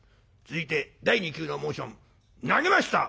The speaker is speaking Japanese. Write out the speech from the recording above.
続いて第２球のモーション投げました！